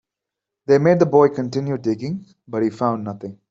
They made the boy continue digging, but he found nothing.